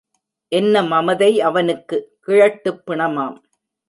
என்ன மமதை அவனுக்கு, கிழட்டுப் பிணமாம்.